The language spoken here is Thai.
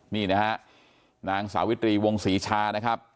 นี่นะฮะนางสาวิตรีวงศรีชานะครับ